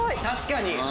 確かに。